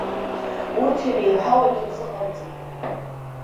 Урҭ иреиҳау егьырзыҟамҵеит.